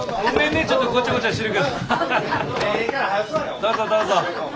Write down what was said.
どうぞどうぞ。